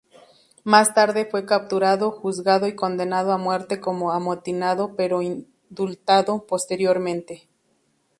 Más tarde fue capturado, juzgado y condenado a muerte como amotinado, pero indultado posteriormente.